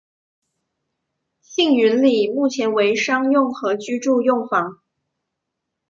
庆云里目前为商用和居住用房。